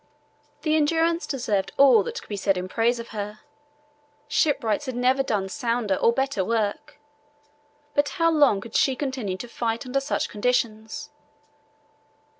The Endurance deserved all that could be said in praise of her. Shipwrights had never done sounder or better work; but how long could she continue the fight under such conditions?